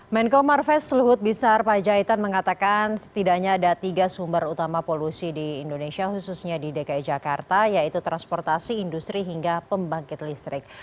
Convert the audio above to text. menko marves luhut binsar panjaitan mengatakan setidaknya ada tiga sumber utama polusi di indonesia khususnya di dki jakarta yaitu transportasi industri hingga pembangkit listrik